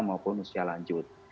maupun usia lanjut